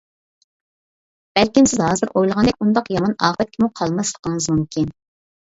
بەلكىم سىز ھازىر ئويلىغاندەك ئۇنداق يامان ئاقىۋەتكىمۇ قالماسلىقىڭىز مۇمكىن.